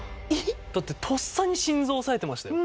だってとっさに心臓押さえてましたよ。